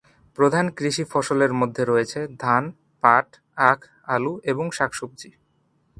প্রধান কৃষি ফসলের মধ্যে রয়েছে ধান, পাট, আখ, আলু এবং শাকসবজি।